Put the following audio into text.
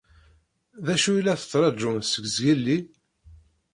D acu i la tettṛaǧum seg zgelli?